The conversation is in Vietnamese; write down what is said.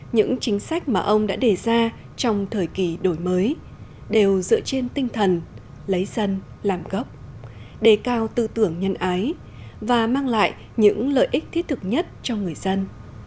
những chính sách mà ông đã đề ra trong thời kỳ đổi mới đều dựa trên tinh thần lấy dân làm gốc đề cao tư tưởng nhân ái và mang lại những lợi ích thiết thực nhất cho người dân